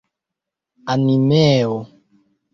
animeo